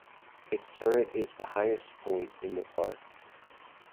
Its turret is the highest point in the park.